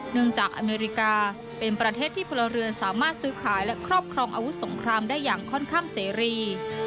จากอเมริกาเป็นประเทศที่พลเรือนสามารถซื้อขายและครอบครองอาวุธสงครามได้อย่างค่อนข้างเสรี